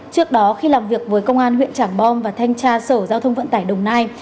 trước đó khi làm việc với công an huyện trảng bom và thanh tra sở giao thông vận tải đồng nai